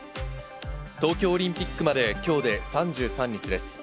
東京オリンピックまできょうで３３日です。